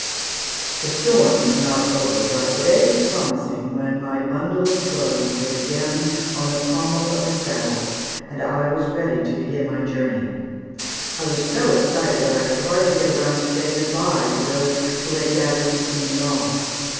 The storm was not over, but the day was promising, when my bundle of clothes was again on the pommel of the saddle, and I ready to begin my journey. I was so excited that I could hardly get around to say good bye to those who had gathered to see me off.